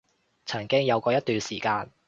曾經有過一段時間